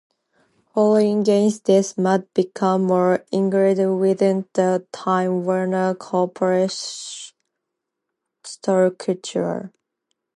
Following Gaines' death, "Mad" became more ingrained within the Time Warner corporate structure.